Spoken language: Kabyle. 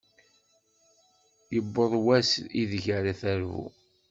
Yewweḍ wass ideg ara terbu.